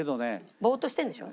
ぼーっとしてるんでしょ？